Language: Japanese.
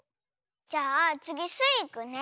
じゃあつぎスイいくね。